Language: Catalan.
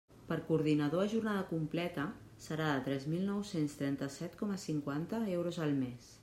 Per coordinador a jornada completa, serà de tres mil nou-cents trenta-set coma cinquanta euros al mes.